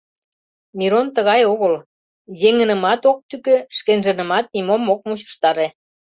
Мирон тыгай огыл: еҥынымат ок тӱкӧ, шкенжынымат нимом ок мучыштаре.